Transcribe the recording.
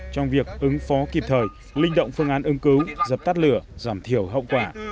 trong việc ứng phó kịp thời linh động phương án ứng cứu dập tắt lửa giảm thiểu hậu quả